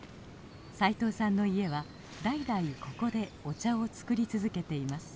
斉藤さんの家は代々ここでお茶を作り続けています。